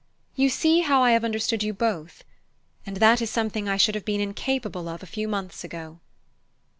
You see how I have understood you both. And that is something I should have been incapable of a few months ago."